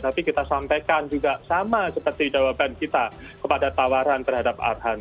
tapi kita sampaikan juga sama seperti jawaban kita kepada tawaran terhadap arhan